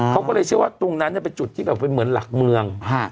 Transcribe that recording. เขาก็เลยเชื่อว่าตรงนั้นเป็นจุดที่แบบเป็นเหมือนหลักเมือง